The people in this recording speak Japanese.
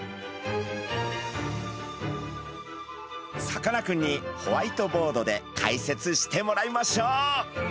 さかなクンにホワイトボードで解説してもらいましょう。